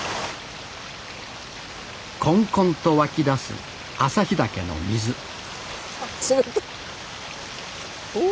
こんこんと湧き出す旭岳の水冷たい！